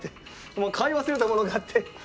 もう買い忘れたものがあって。